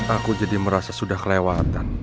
aku jadi merasa sudah kelewatan